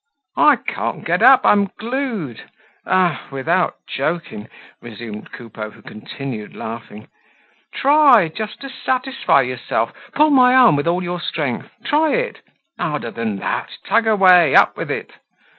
"I can't get up, I'm glued, oh! without joking," resumed Coupeau, who continued laughing. "Try, just to satisfy yourself; pull my arm with all your strength; try it! harder than that, tug away, up with it!